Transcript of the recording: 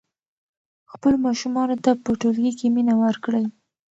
خپلو ماشومانو ته په ټولګي کې مینه ورکړئ.